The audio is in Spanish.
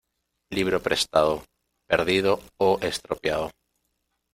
Libro prestado, perdido o estropeado.